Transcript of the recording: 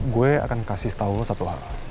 gue akan kasih tahu satu